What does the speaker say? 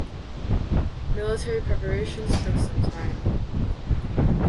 Military preparations took some time.